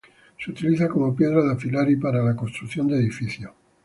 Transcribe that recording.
Se utiliza como piedra de afilar y para la construcción de edificios.